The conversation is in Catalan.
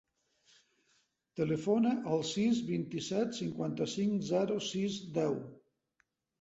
Telefona al sis, vint-i-set, cinquanta-cinc, zero, sis, deu.